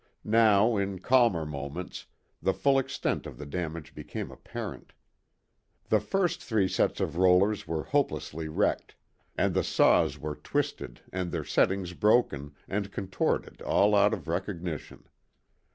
Now, in calmer moments, the full extent of the damage became apparent. The first three sets of rollers were hopelessly wrecked, and the saws were twisted and their settings broken and contorted out of all recognition.